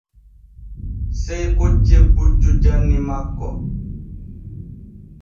Sey koccen puccu janni makko.